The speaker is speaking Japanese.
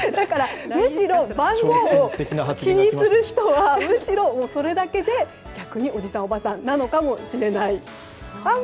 むしろ番号を気にする人はそれだけで逆におじさん、おばさんなのかもしれない。